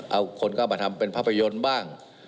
เอาคนเข้ามาทำเป็นภาพยนตร์บ้าง